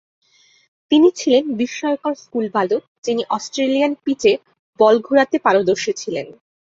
তিনি ছিলেন বিষ্ময়কর স্কুলবালক যিনি অস্ট্রেলিয়ান পিচে বল ঘুরাতে পারদর্শী ছিলেন"।